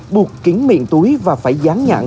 buộc kiến miệng túi và phải gián nhãn